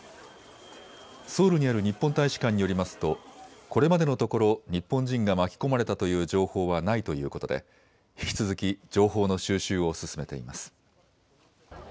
ソウルにある日本大使館によりますとこれまでのところ日本人が巻き込まれたという情報はないということで引き続き情報の収集を進めています。